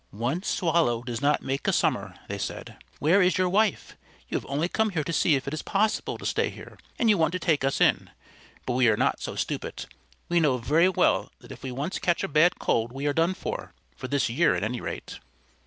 "One Swallow does not make a summer," they said. "Where is your wife? You have only come here to see if it is possible to stay here, and you want to take us in. But we are not so stupid. We know very well that if we once catch a bad cold we are done for, for this year at any rate."